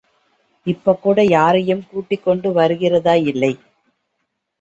இப்ப கூட யாரையும் கூட்டிக் கொண்டு வருகிறதா இல்லை.